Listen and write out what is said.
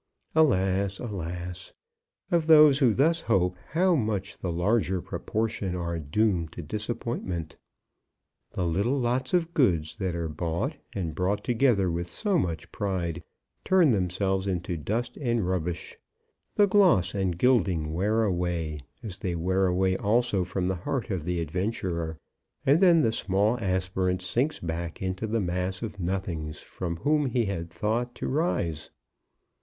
Alas! alas! Of those who thus hope how much the larger proportion are doomed to disappointment. The little lots of goods that are bought and brought together with so much pride turn themselves into dust and rubbish. The gloss and gilding wear away, as they wear away also from the heart of the adventurer, and then the small aspirant sinks back into the mass of nothings from whom he had thought to rise.